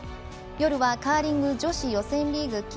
夜はカーリング女子予選リーグ。